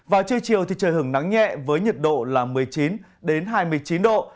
vào trưa chiều trời hứng nắng nhẹ với nhiệt độ một mươi chín hai mươi chín độ